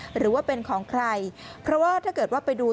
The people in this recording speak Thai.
หรือว่าเป็นของใครเพราะว่าถ้าเกิดว่าไปดู